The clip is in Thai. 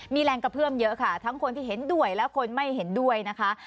มีแรงกระเพื่อมเยอะค่ะทั้งคนที่เห็นด้วยและคนไม่เห็นด้วยนะคะ